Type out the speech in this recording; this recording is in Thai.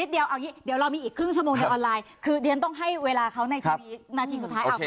เดี๋ยวเรามีอีกครึ่งชั่วโมงในออนไลน์คือเดี๋ยวเราต้องให้เวลาเขาในทีวี